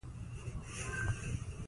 باران د افغانستان د طبیعت د ښکلا برخه ده.